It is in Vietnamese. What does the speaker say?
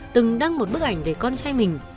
từng đăng một bức ảnh về con trai mình